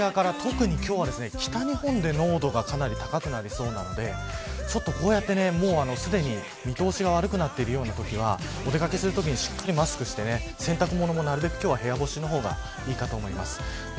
日本海側から特に今日は北日本で濃度がかなり高くなりそうなのでこうやって、すでに見通しが悪くなっているようなときはお出掛けするときにしっかりマスクして、洗濯物もなるべく今日は部屋干しの方がいいと思います。